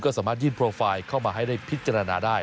ก็สามารถยื่นโปรไฟล์เข้ามาให้ได้พิจารณาได้